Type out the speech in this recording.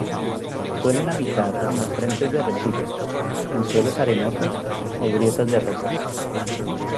Suelen habitar en los frentes de arrecife, en suelos arenosos o grietas de rocas.